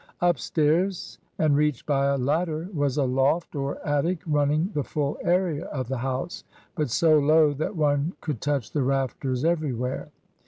Upstairs, and reached by a ladder, was a loft or attic running the full area of the house, but so low that one could touch the rafters everywhere.